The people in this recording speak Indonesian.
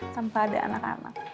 tanpa ada anak anak